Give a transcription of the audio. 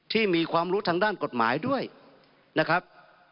ทางด้านกฎหมายด้วยนะครับ